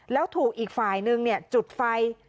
แล้วถูกอีกฝ่ายนึงจุดไฟ